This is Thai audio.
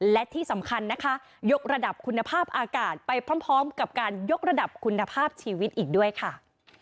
และที่สำคัญนะคะยกระดับคุณภาพอากาศไปพร้อมกับการยกระดับคุณภาพชีวิตอีกด้วยค่ะ